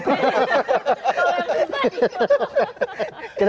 tau yang apa tadi